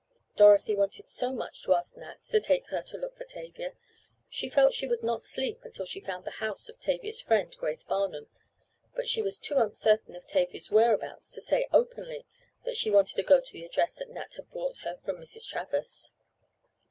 Dorothy wanted so much to ask Nat to take her to look for Tavia. She felt she would not sleep until she found the house of Tavia's friend, Grace Barnum, but she was too uncertain of Tavia's whereabouts to say openly that she wanted to go to the address that Nat had brought her from Mrs. Travers.